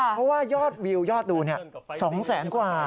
เพราะว่ายอดวิวยอดดู๒แสนกว่า